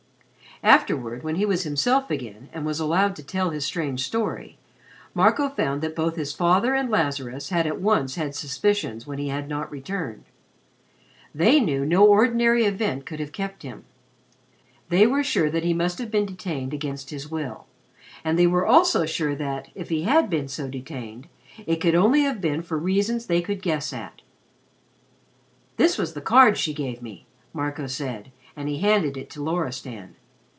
Afterward, when he was himself again and was allowed to tell his strange story, Marco found that both his father and Lazarus had at once had suspicions when he had not returned. They knew no ordinary event could have kept him. They were sure that he must have been detained against his will, and they were also sure that, if he had been so detained, it could only have been for reasons they could guess at. "This was the card that she gave me," Marco said, and he handed it to Loristan.